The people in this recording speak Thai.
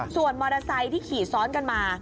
ส่วนมอเตอร์ไซค์ที่ขี่ซ้อนกันมา